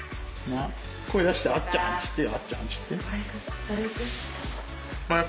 声出してあっちゃんって言ってあっちゃんって言って。